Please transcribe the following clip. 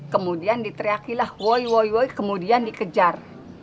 kemudian diteriakilah woy woy woy kemudian dikejar